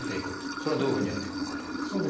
それはどういうふうにやっていくのかっていうことですが。